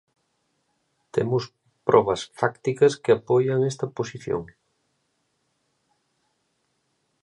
Temos probas fácticas que apoian esta posición.